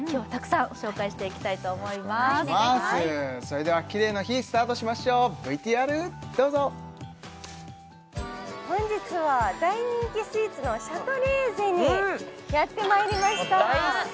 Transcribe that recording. それではキレイの日スタートしましょうＶＴＲどうぞ本日は大人気スイーツのシャトレーゼにやってまいりました